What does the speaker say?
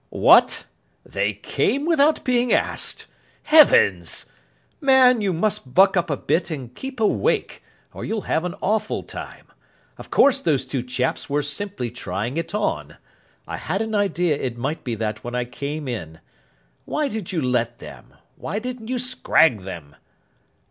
"What, they came without being asked! Heavens! man, you must buck up a bit and keep awake, or you'll have an awful time. Of course those two chaps were simply trying it on. I had an idea it might be that when I came in. Why did you let them? Why didn't you scrag them?"